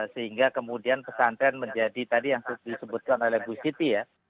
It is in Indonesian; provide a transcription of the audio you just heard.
sehingga kemudian pesantren menjadi tadi yang disebutkan oleh bu siti ya